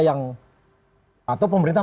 yang atau pemerintah